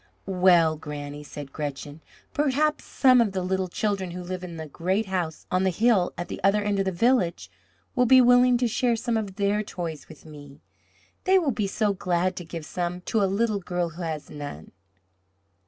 "Well, Granny," said Gretchen, "perhaps some of the little children who live in the great house on the hill at the other end of the village will be willing to share some of their toys with me. They will be so glad to give some to a little girl who has none."